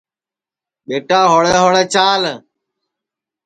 ٻیٹا ہوݪے ہوݪے چال